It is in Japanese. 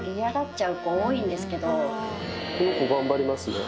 この子頑張りますね。